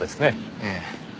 ええ。